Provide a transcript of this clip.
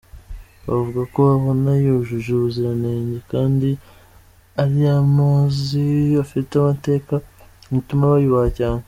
Bavuga ko babona yujuje ubuziranenge kandi ari amazi afite amateka, bituma bayubaha cyane.